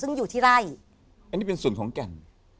ซึ่งอยู่ที่ไร่อันนี้เป็นส่วนของแก่น